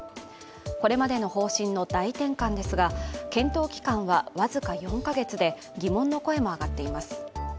これまでの方針の大転換ですが検討期間は僅か４か月で、疑問の声も上がっています。